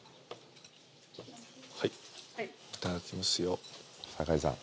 はいいただきますよ酒井さん